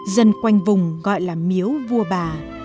dân quanh vùng gọi là miếu vua bà